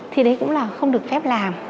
thì đấy cũng là không được phép làm